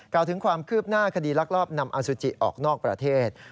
ถึงความคืบหน้าคดีลักลอบนำอสุจิออกนอกประเทศ